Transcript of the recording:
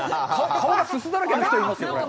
顔がすすだらけの人がいますよ。